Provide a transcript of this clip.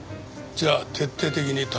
じゃあ徹底的に頼む。